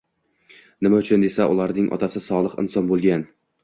Nima uchun desa, ularning otasi solih inson bo‘lgan